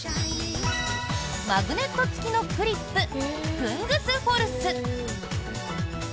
マグネット付きのクリップクングスフォルス。